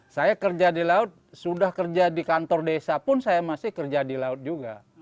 saya kerja di laut sudah kerja di kantor desa pun saya masih kerja di laut juga